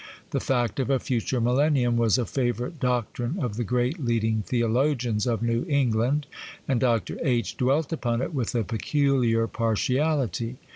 The fact of a future Millennium was a favourite doctrine of the great leading theologians of New England, and Dr. H. dwelt upon it with a peculiar partiality.